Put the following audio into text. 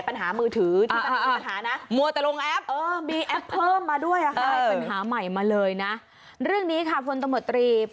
แล้วตอนที่ไปซ่อมมัยถึงได้แก้ไขปัญหามือถือ